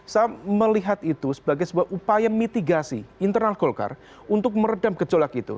saya melihat itu sebagai sebuah upaya mitigasi internal golkar untuk meredam gejolak itu